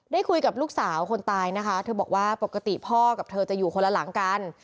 คุยกับลูกสาวคนตายนะคะเธอบอกว่าปกติพ่อกับเธอจะอยู่คนละหลังกัน